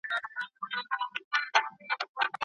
ماشوم په لوړ اواز خپل ابا ته د خپلې ودې قصه کوله.